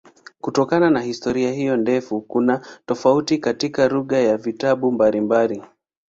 Kutokana na historia hiyo ndefu kuna tofauti katika lugha ya vitabu mbalimbali.